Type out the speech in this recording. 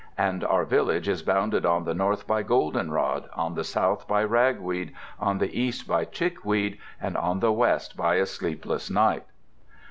And our village is bounded on the north by goldenrod, on the south by ragweed, on the east by chickweed, and on the west by a sleepless night.